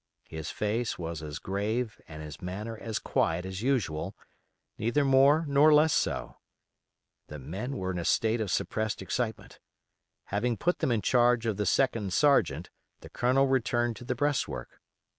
His face was as grave and his manner as quiet as usual, neither more nor less so. The men were in a state of suppressed excitement. Having put them in charge of the second sergeant the Colonel returned to the breastwork.